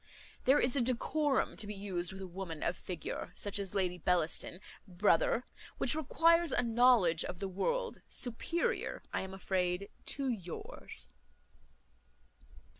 There is a decorum to be used with a woman of figure, such as Lady Bellaston, brother, which requires a knowledge of the world, superior, I am afraid, to yours."